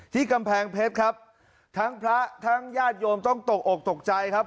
กำแพงเพชรครับทั้งพระทั้งญาติโยมต้องตกอกตกใจครับ